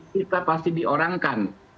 kita pasti diorangkan